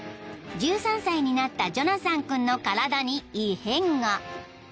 １３歳になったジョナサン君の体に異変が］